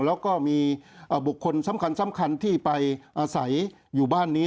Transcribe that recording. แล้วก็มีบุคคลสำคัญที่ไปอาศัยอยู่บ้านนี้